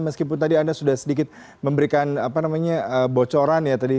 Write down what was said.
meskipun tadi anda sudah sedikit memberikan bocoran ya tadi